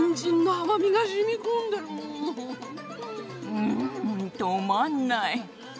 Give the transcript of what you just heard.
うん止まんない。